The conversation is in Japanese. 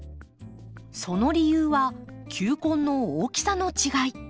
その理由は球根の大きさの違い。